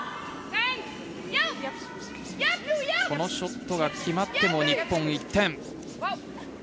このショットが決まっても日本、１点。